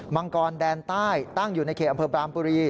มังกรแดนใต้ตั้งอยู่ในเขตอำเภอบรามบุรี